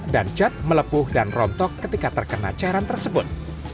dan cat melepuh dan rontok ketika terkena cairan tersebut